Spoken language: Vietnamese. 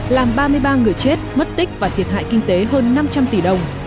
làm ba mươi ba người chết mất tích và thiệt hại kinh tế hơn năm trăm linh tỷ đồng